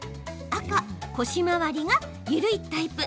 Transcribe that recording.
赤・腰回りが緩いタイプ。